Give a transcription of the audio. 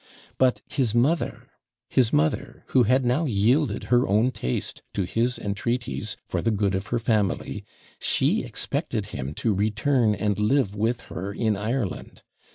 But his mother his mother, who had now yielded her own taste to his entreaties, for the good of her family she expected him to return and live with her in Ireland.